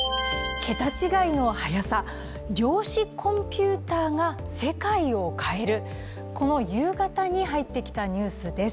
桁違いの早さ、量子コンピューターが世界を変える、この夕方に入ってきたニュースです。